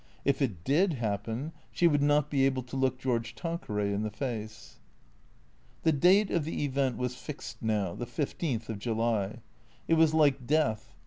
If it did happen she would not be able to look George Tanqueray in the face. The date of the Event was fixed now, the fifteenth of July. It M^as like death.